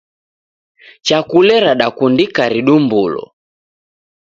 Chakule radakundika ridumbulo.